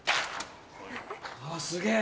あすげぇ！